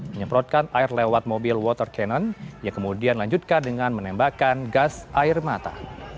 menyemprotkan air lewat mobil water cannon yang kemudian lanjutkan dengan menembakkan gas air mata